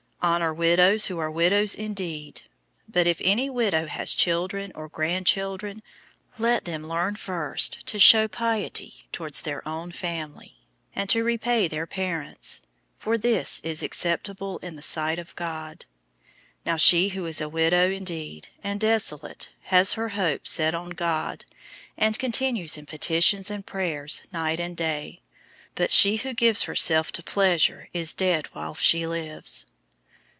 005:003 Honor widows who are widows indeed. 005:004 But if any widow has children or grandchildren, let them learn first to show piety towards their own family, and to repay their parents, for this is{TR adds "good and"} acceptable in the sight of God. 005:005 Now she who is a widow indeed, and desolate, has her hope set on God, and continues in petitions and prayers night and day. 005:006 But she who gives herself to pleasure is dead while she lives.